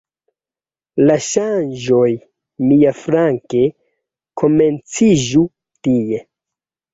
La ŝanĝoj, miaflanke, komenciĝu tie.